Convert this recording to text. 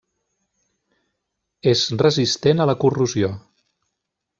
És resistent a la corrosió.